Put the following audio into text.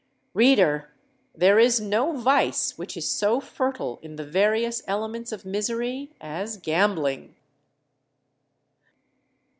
Reader! there is no vice which is so fertile in the various elements of misery as Gambling!